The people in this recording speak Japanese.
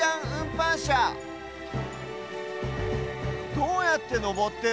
どうやってのぼってる？